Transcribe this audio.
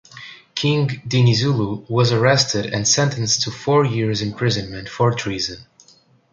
King Dinizulu was arrested and sentenced to four years imprisonment for treason.